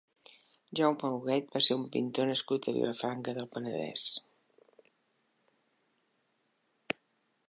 Jaume Huguet va ser un pintor nascut a Vilafranca del Penedès.